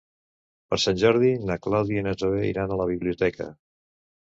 Per Sant Jordi na Clàudia i na Zoè iran a la biblioteca.